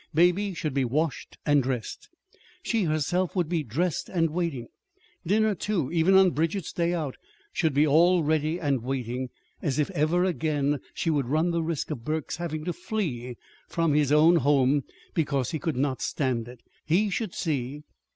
Baby should be washed and dressed. She herself would be dressed and waiting. Dinner, too, even on Bridget's day out, should be all ready and waiting. As if ever again she would run the risk of Burke's having to flee from his own home because he could not stand it! He should see!